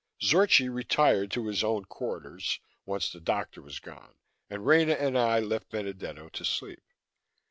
Zorchi retired to his own quarters, once the doctor was gone, and Rena and I left Benedetto to sleep.